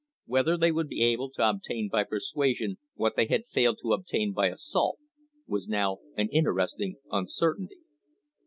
Whether they would be able to obtain by persuasion what they had failed to obtain by assault was now an interesting uncertainty.